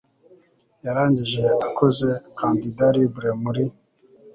yarangije akoze candidat libre muri